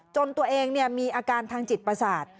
จนตัวเองมีอาการทางจิตประสาท